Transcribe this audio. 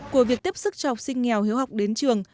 của việc tiếp sức cho học sinh nghèo hiếu học đến trường